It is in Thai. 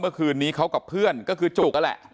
เมื่อคืนนี้เขากับเพื่อนก็คือจุก